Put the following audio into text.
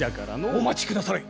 お待ちくだされ。